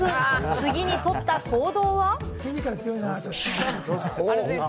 次にとった行動は。